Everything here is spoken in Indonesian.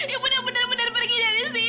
ibu udah bener bener pergi dari sini